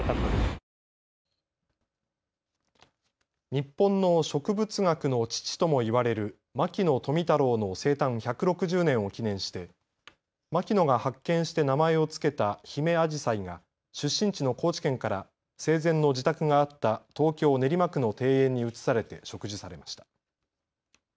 日本の植物学の父とも言われる牧野富太郎の生誕１６０年を記念して牧野が発見して名前を付けたヒメアジサイが出身地の高知県から生前の自宅があった東京練馬区の庭園に移されて植樹されました。